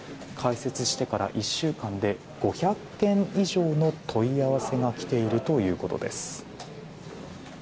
開設してから１週間で５００件以上の問い合わせが来ているということです。